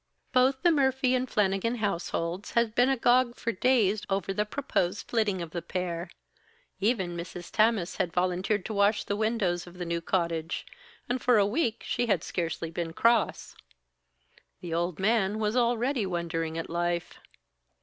Both the Murphy and Flannigan households had been agog for days over the proposed flitting of the pair. Even Mrs. Tammas had volunteered to wash the windows of the new cottage, and for a week she had scarcely been cross. The old man was already wondering at life.